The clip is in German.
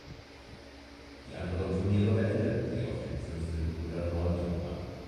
Die anderen Turniere beendeten sie auf dem fünften oder neunten Rang.